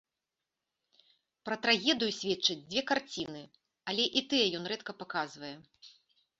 Пра трагедыю сведчаць дзве карціны, але і тыя ён рэдка паказвае.